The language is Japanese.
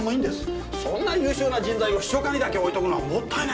そんな優秀な人材を秘書課にだけ置いとくのはもったいないでしょ。